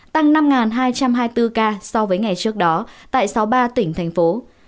tăng năm hai trăm hai mươi bốn ca so với ngày trước đó tại sáu mươi ba tỉnh thành phố